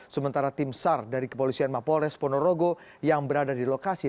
sementara tim sar dari kepolisian mapolres ponorogo yang berada di lokasi